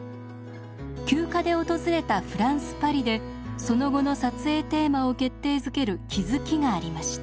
休暇で訪れたフランス・パリでその後の撮影テーマを決定づける気付きがありました。